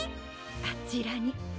あちらに。